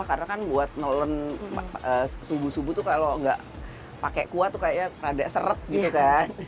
karena kan buat nolong subuh subuh tuh kalau gak pakai kuah tuh kayaknya agak seret gitu kan